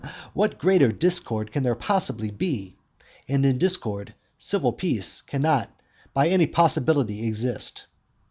What greater discord can there possibly be? And in discord civil peace cannot by any possibility exist.